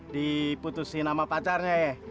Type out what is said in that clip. diputusin sama pacarnya ya